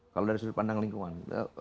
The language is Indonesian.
kalau dari sudut pandang lingkungan